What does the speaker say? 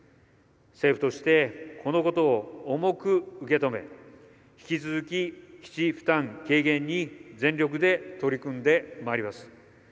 政府としてこのことを重く受け止め引き続き、基地負担軽減に全力で取り組んでまいります。